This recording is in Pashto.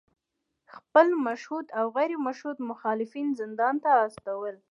خپل مشهود او غیر مشهود مخالفین زندان ته استول